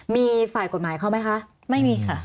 มีฝ่ายกฎหมายเขาไหมคะไม่มีค่ะ